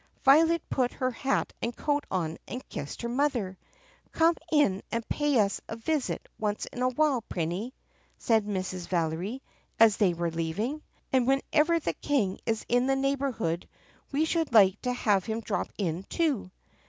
Violet put her hat and coat on and kissed her mother. "Come in and pay us a visit once in a while, Prinny," said Mrs. Valery as they were leaving. "And whenever the King is in the neighborhood we should like to have him drop in too."